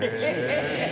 え。